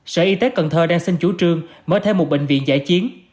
sở y tế cần thơ đang xin chủ trương mở thêm một bệnh viện giải chiến